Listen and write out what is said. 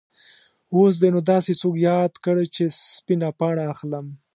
اوس دې نو داسې څوک یاد کړ چې سپینه پاڼه اخلم.